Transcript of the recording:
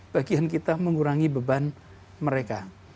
bagian kita mengurangi beban mereka